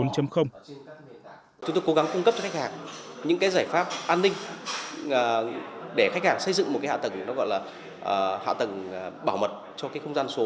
chúng tôi cố gắng cung cấp cho khách hàng những giải pháp an ninh để khách hàng xây dựng một hạ tầng bảo mật cho không gian số